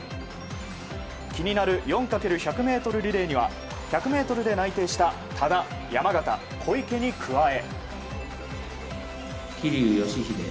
気になる４×１００ｍリレーには１００ｍで内定した多田、山縣、小池に加え。